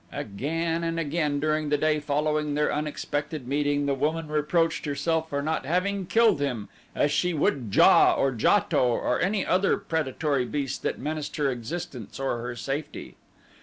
Again and again during the day following their unexpected meeting the woman reproached herself for not having killed him as she would JA or JATO or any other predatory beast that menaced her existence or her safety.